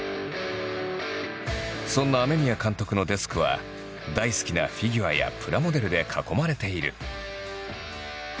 そんな雨宮監督のデスクは大好きなフィギュアやプラモデルで囲まれている。